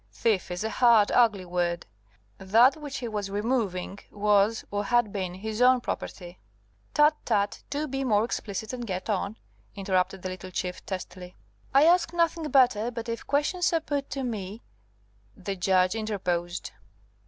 "Thief is a hard, ugly word. That which he was removing was, or had been, his own property." "Tut, tut! do be more explicit and get on," interrupted the little Chief, testily. "I ask nothing better; but if questions are put to me " The Judge interposed.